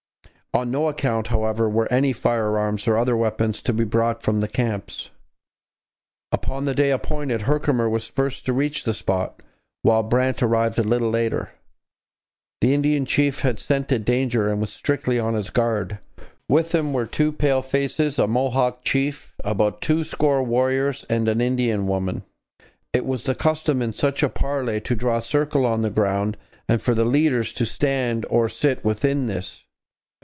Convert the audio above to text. On no account, however, were any firearms or other weapons to be brought from the camps. Upon the day appointed Herkimer was the first to reach the spot, while Brant arrived a little later. The Indian chief had scented danger and was strictly on his guard. With him were two pale faces, a Mohawk chief, about two score warriors, and an Indian woman. It was the custom in such a parley to draw a circle on the ground and for the leaders to stand or sit within this.